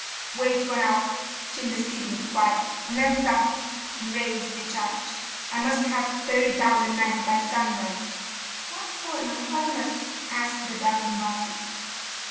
Wait one hour, till the city be quiet; and then start, and raise the church. I must have thirty thousand men by sunrise.' 'What for, your holiness?' asked a dozen voices.